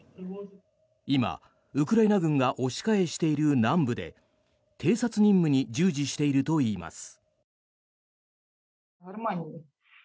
今、ウクライナ軍が押し返している南部で偵察任務に従事しているといいます。